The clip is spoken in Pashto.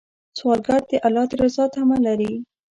سوالګر د الله د رضا تمه لري